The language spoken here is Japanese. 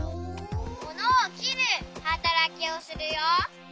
ものをきるはたらきをするよ。